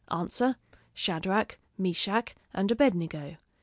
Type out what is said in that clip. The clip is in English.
Answer, "Shadrach, Meshach, and Abednego."